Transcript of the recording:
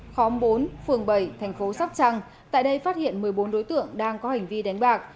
khóm bốn phường bảy thành phố sóc trăng tại đây phát hiện một mươi bốn đối tượng đang có hành vi đánh bạc